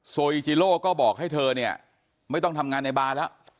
อีจิโลก็บอกให้เธอเนี่ยไม่ต้องทำงานในบาร์แล้ว